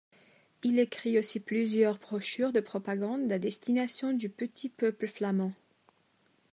Il écrit aussi plusieurs brochures de propagande à destination du petit peuple flamand.